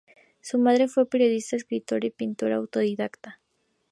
Su madre fue periodista, escritora y pintora autodidacta.